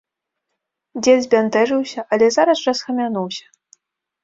Дзед збянтэжыўся, але зараз жа схамянуўся.